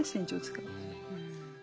うん。